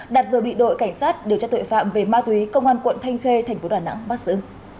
đạt vừa bị đội cảnh sát điều tra tội phạm về ma túy công an quận thanh khê thành phố đà nẵng bắt giữ